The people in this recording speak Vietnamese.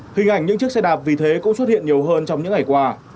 hình ảnh những chiếc xe đạp vì thế cũng xuất hiện nhiều hơn trong những ngày qua